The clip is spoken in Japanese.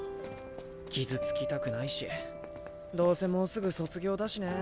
傷つきたくないしどうせもうすぐ卒業だしね。